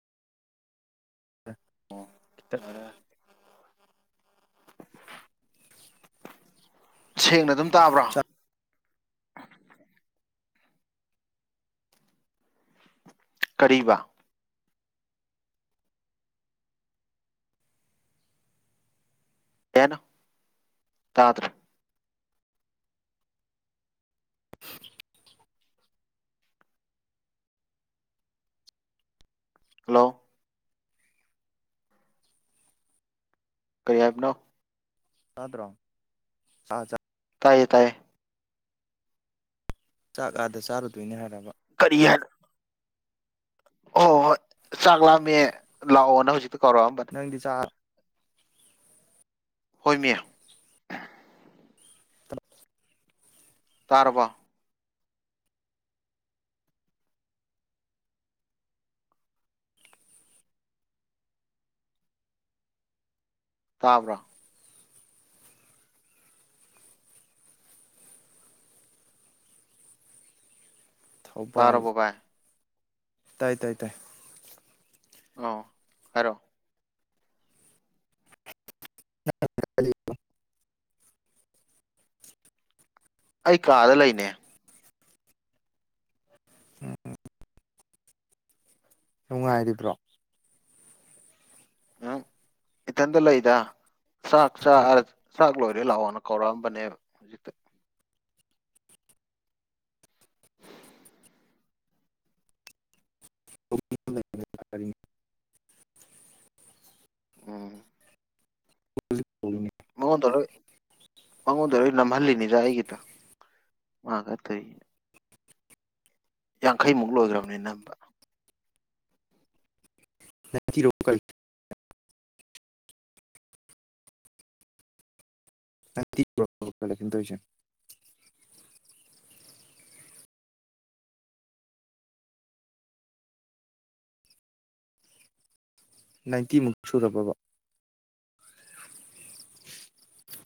ꯈꯤꯇ ꯁꯦꯡꯅ ꯑꯗꯨꯝ ꯇꯥꯕ꯭ꯔꯥ ꯆꯥꯛ ꯀꯔꯤꯕ ꯀꯩ ꯍꯥꯏꯅꯣ ꯇꯥꯗ꯭ꯔꯦ ꯍꯜꯂꯣ ꯀꯩ ꯍꯥꯏꯕꯅꯣ ꯇꯥꯗ꯭ꯔꯣ ꯁꯥ ꯆ ꯇꯥꯏꯌꯦ ꯇꯥꯏꯌꯦ ꯆꯥꯛ ꯑꯥꯗ ꯆꯥꯔꯨꯗꯣꯏꯅꯦ ꯍꯥꯏꯔꯕ ꯀꯔꯤ ꯍꯥꯏꯅꯣ ꯍꯣꯏ ꯍꯣꯏ ꯍꯣꯏ ꯆꯥꯛ ꯂꯥꯝꯃꯦ ꯂꯥꯛꯑꯣꯅ ꯍꯧꯖꯤꯛꯇ ꯀꯧꯔꯛꯑꯝꯕꯅꯦ ꯅꯪꯗꯤ ꯆꯥ ꯍꯣꯏꯃꯤ [inaudible] ꯇꯥꯔꯕꯣ ꯇꯥꯕ꯭ꯔꯥ ꯊꯧꯕꯥꯜ ꯇꯥꯔꯕꯣ ꯕꯥꯏ ꯇꯥꯏ ꯇꯥꯏ ꯇꯥꯏ ꯑꯧ ꯍꯥꯏꯔꯛ ꯑꯣ [inaudible] ꯑꯩ ꯀꯥꯗ ꯂꯩꯅꯦ ꯎꯝ ꯅꯨꯡꯉꯥꯏꯔꯤꯕ꯭ꯔꯣ ꯎꯝ ꯏꯊꯟꯗ ꯂꯩꯗ ꯆꯥꯛ ꯆꯔ ꯆꯥꯛ ꯂꯣꯏꯔꯦ ꯂꯥꯛꯑꯣꯅ ꯀꯧꯔꯛꯑꯝꯕꯅꯦꯕ ꯍꯧꯖꯤꯛꯇ ꯎꯝ ꯃꯉꯣꯟꯗ ꯂꯣꯏ ꯃꯉꯣꯟꯗ ꯂꯣꯏ ꯅꯝꯍꯜꯂꯤꯅꯤꯗ ꯑꯩꯒꯤꯗꯣ ꯃꯥ ꯈꯔ ꯊꯨꯏꯅ ꯌꯥꯡꯈꯩꯃꯨꯛ ꯂꯣꯏꯈ꯭ꯔꯕꯅꯤ ꯅꯝꯕ [inaudible] [inaudible] ꯅꯥꯏꯟꯇꯤꯃꯨꯛ ꯁꯨꯔꯕꯕ